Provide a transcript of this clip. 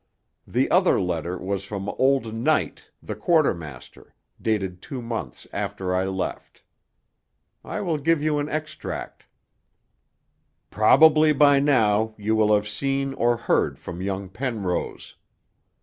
The other letter was from old Knight, the Quartermaster, dated two months after I left. I will give you an extract: _'Probably by now you will have seen or heard from young Penrose.